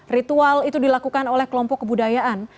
ritual itu dilakukan oleh kelompok kebudayaan